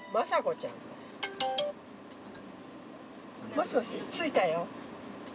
もしもし着いたよ。